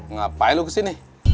ngapain lu kesini